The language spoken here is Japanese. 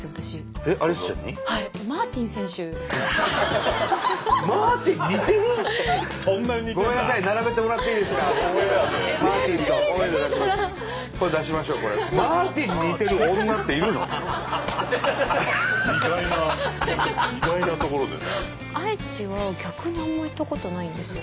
愛知は逆にあんま行ったことないんですよね。